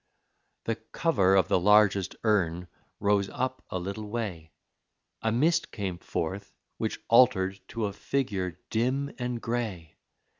The cover of the largest urn rose up a little way, A mist came forth, which altered to a figure dim and gray.